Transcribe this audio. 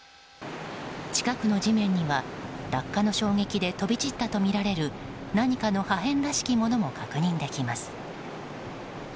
近くの地面には、落下の衝撃で飛び散ったとみられる何かの破片らしきものも確認できます。